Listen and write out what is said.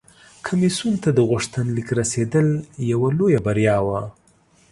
کمیسیون ته د غوښتنلیک رسیدل یوه لویه بریا وه